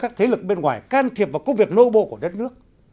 phải can thiệp vào công việc nội bộ của đất nước